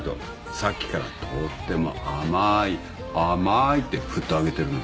さっきからとっても甘い甘いって振ってあげてるのに。